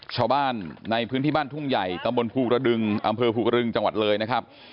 ชาวบ้านในพื้นที่บ้านทุ่งใหญ่ตำบลภูกระดึงอำเภอภูกระดึงจังหวัดเลยนะครับ